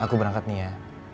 aku berangkat nih ya